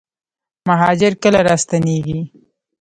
مهاجر کله راستنیږي؟